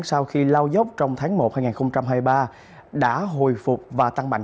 sau khi lao dốc trong tháng một hai nghìn hai mươi ba đã hồi phục và tăng mạnh